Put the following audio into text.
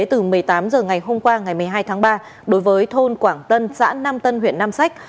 từ một mươi tám h ngày hôm qua ngày một mươi hai tháng ba đối với thôn quảng tân xã nam tân huyện nam sách